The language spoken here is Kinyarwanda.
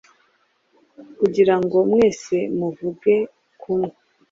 kugira ngo mwese muvuge kumwe,